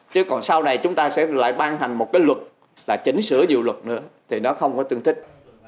chứ còn sau này chúng ta sẽ lại ban hành một cái luật là chỉnh sửa dự luật nữa thì nó không có tương thích